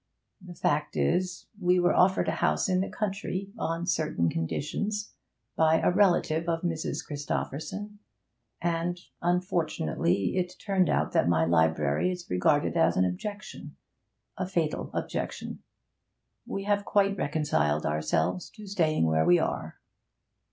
'The fact is we were offered a house in the country, on certain conditions, by a relative of Mrs. Christopherson; and, unfortunately, it turned out that my library is regarded as an objection a fatal objection. We have quite reconciled ourselves to staying where we are.'